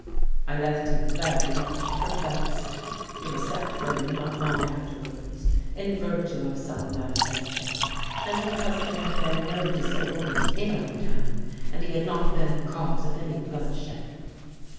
"I left him very much perplexed. He was set free not long afterwards, in virtue of some manifesto, and because there had been no disorders in our town and he had not been the cause of any bloodshed.